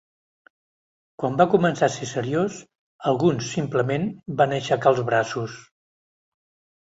Quan va començar a ser seriós, alguns simplement van aixecar els braços.